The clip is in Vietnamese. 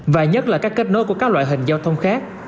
và nhất là các kết nối của các loại hình giao thông khác